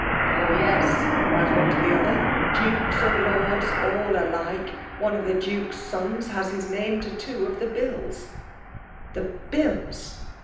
' Ok ! y«a»* cries one to the oifacr> * Dukes and Inrdb — ^all aKke ! One of the Duke^s eons has his name to two of the bilk.''' '' The bills